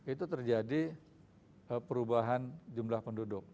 itu terjadi perubahan jumlah penduduk